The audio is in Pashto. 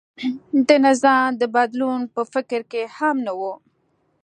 د نظام د بدلون په فکر کې هم نه و.